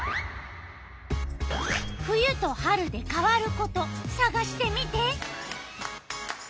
冬と春で変わることさがしてみて！